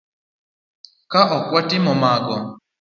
Ka ok watimo mago